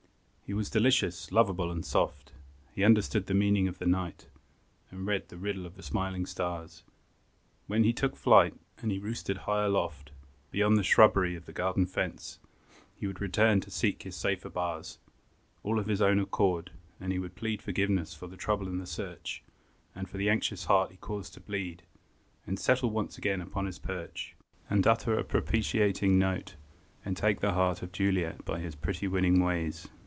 He was delicious, lovable and soft. He understood the meaning of the night, And read the riddle of the smiling stars. When he took flight, And roosted high aloft, Beyond the shrubbery and the garden fence, He would return and seek his safer bars, All of his own accord; and he would plead Forgiveness for the trouble and the search, And for the anxious heart he caused to bleed, And settle once again upon his perch, And utter a propitiating note, And take the heart Of Juliet by his pretty winning ways.